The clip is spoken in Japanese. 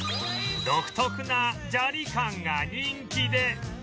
独特なジャリ感が人気で